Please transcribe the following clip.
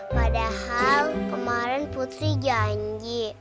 padahal kemarin putri janji